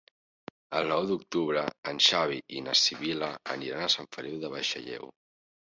El nou d'octubre en Xavi i na Sibil·la aniran a Sant Feliu de Buixalleu.